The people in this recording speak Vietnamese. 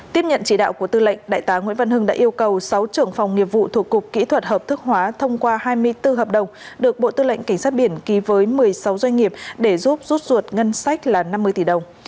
tiếp nhận chỉ đạo của tư lệnh đại tá nguyễn văn hưng đã yêu cầu sáu trưởng phòng nghiệp vụ thuộc cục kỹ thuật hợp thức hóa thông qua hai mươi bốn hợp đồng được bộ tư lệnh cảnh sát biển ký với một mươi sáu doanh nghiệp để giúp rút ruột ngân sách là năm mươi tỷ đồng